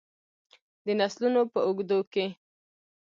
د نسلونو په اوږدو کې.